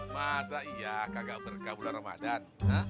masa iya kagak berkah bulan ramadan